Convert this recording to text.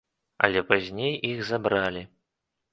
Але пазней іх забралі.